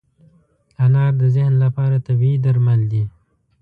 انار د ذهن لپاره طبیعي درمل دی.